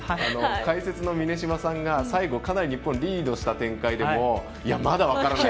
解説の峰島さんが最後、かなり日本リードした展開でもまだ分からない